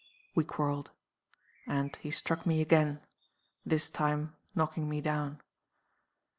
We quarreled. And he struck me again this time knocking me down.